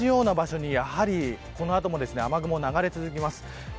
同じような場所にやはりこの後も雨雲は流れ続けます。